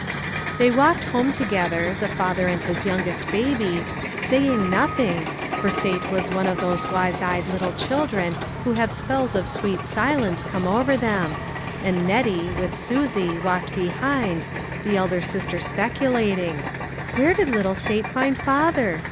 They walked home together, the father and his youngest baby, saying nothing, for Sate was one of those wise eyed little children who have spells of sweet silence come over them, and Nettie, with Susie, walked behind, the elder sister spec THE WAY MADE PLAIN. 361 ulating: "Where did little Sate find father?